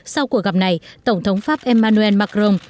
sau cuộc gặp này tổng thống pháp emmanuel macron